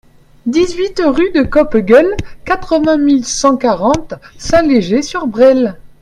dix-huit rue de Coppegueule, quatre-vingt mille cent quarante Saint-Léger-sur-Bresle